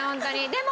でも。